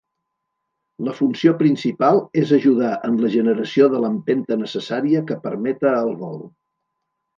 La funció principal és ajudar en la generació de l'empenta necessària que permeta el vol.